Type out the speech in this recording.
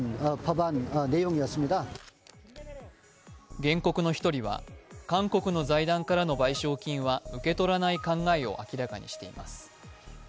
原告の１人は韓国の財団からの賠償金は受け取らない考えを明らかにしています。